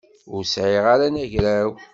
Ur sɛiɣ ara anagraw.